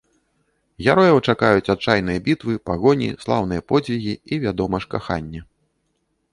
Герояў чакаюць адчайныя бітвы, пагоні, слаўныя подзвігі і, вядома ж, каханне.